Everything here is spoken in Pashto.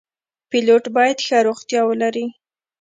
پیلوټ باید ښه روغتیا ولري.